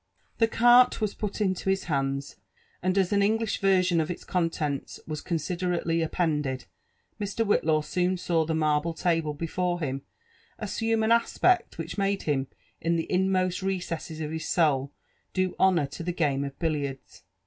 The carte was put into his hands ; and as an English version of its contents was considerately appended, Mr. Whillaw soon saw the marble table before him assume an aspect which made him in the in most recesses of his soul do honour to the game of billiards.